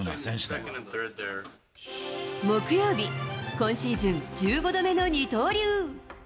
木曜日、今シーズン１５度目の二刀流。